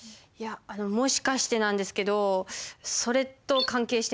もしかしてなんですけどそれと関係してますか？